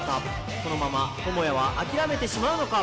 このままともやは諦めてしまうのか。